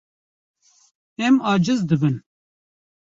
Em aciz dibin.